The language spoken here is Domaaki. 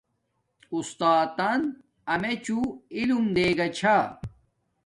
اُستاتن امیچوں علم دے گا چھا